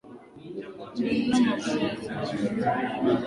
Ulinunua mavuno ya sukari inayozalishwa kisiwani humo na meli zake